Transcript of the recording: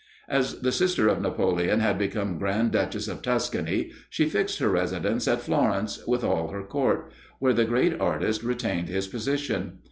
As the sister of Napoleon had become Grand Duchess of Tuscany, she fixed her residence at Florence, with all her Court, where the great artist retained his position.